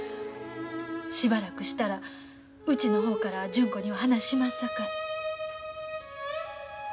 しばらくしたらうちの方から純子には話しますさかい。